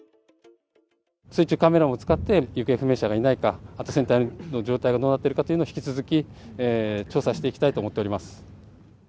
水中カメラも使って、行方不明者がいないか、あと船体の状態がどうなっているかというのを、引き続き、調査していきたいと思っております。